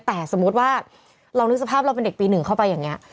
แต่สมมุติว่าเรานึกสภาพเราเป็นเด็กปี๑เข้าไปอย่างนี้